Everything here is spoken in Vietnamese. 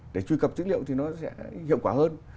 để truy cập dữ liệu thì nó sẽ hiệu quả hơn